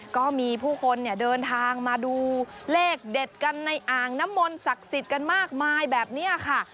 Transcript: ก็มีผู้คนเนี่ยเดินทางมาดูเลขเด็ดกันในอ่างน้ำมนต์ศักดิ์สิทธิ์กันมากมายแบบนี้ค่ะ